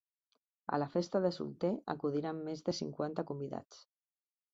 A la festa de solter acudiran més de cinquanta convidats.